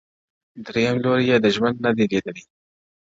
• دریم لوری یې د ژوند نه دی لیدلی,